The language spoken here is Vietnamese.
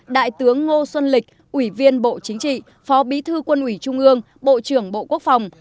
đại tướng ngô xuân lịch ủy viên bộ chính trị phó bí thư quân ủy trung ương bộ trưởng bộ quốc phòng